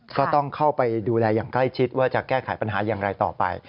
ก็ต้องเข้าไปดูแลอย่างใกล้ชิดว่าจะแก้ไขปัญหาอย่างไรต่อไป